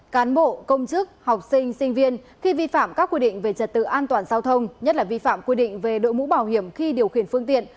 cán bộ công chức học sinh sinh viên khi vi phạm các quy định về trật tự an toàn giao thông nhất là vi phạm quy định về đội mũ bảo hiểm khi điều khiển phương tiện